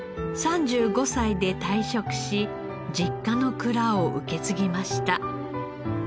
３５歳で退職し実家の蔵を受け継ぎました。